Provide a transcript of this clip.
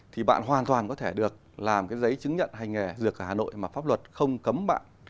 thì bạn hoàn toàn có thể được làm cái giấy chứng nhận hành nghề dược ở hà nội mà pháp luật không cấm bạn